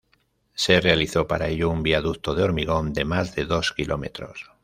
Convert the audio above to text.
Se realizó para ello un viaducto de hormigón de más de dos kilómetros.